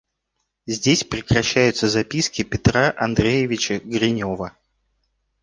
Здесь прекращаются записки Петра Андреевича Гринева.